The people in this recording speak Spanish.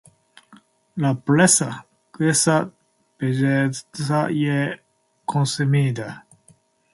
La presa queda pegada, y es consumida.